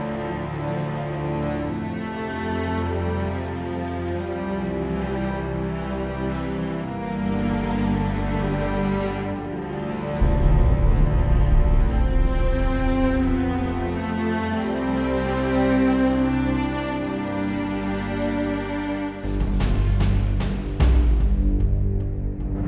aku rasa merasa saya tidak bagian dari raja